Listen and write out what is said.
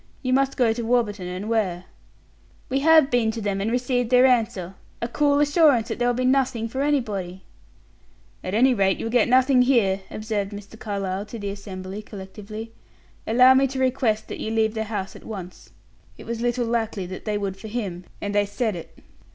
You must go to Warburton & Ware." "We have been to them and received their answer a cool assurance that there'll be nothing for anybody." "At any rate, you'll get nothing here," observed Mr. Carlyle, to the assembly, collectively. "Allow me to request that you leave the house at once." It was little likely that they would for him, and they said it.